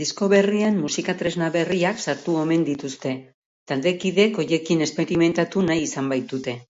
Disko berrian musika-tresna berriak sartu omen dituzte, taldekideekhoriekin esperimentatu nahi izan baitute.